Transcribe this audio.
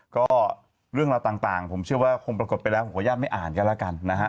ก็เรื่องราวต่างผมเชื่อว่าคงปรากฏไปแล้วผมขออนุญาตไม่อ่านกันแล้วกันนะฮะ